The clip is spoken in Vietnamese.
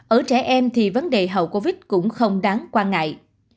ở trẻ em thì vấn đề hậu covid cũng không đáng quan ngại